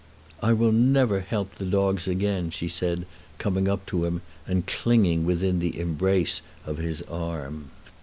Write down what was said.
"I will never help the dogs again," she said, coming up to him and clinging within the embrace of his arm.